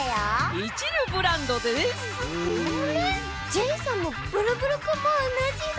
ジェイさんもブルブルくんもおなじだ！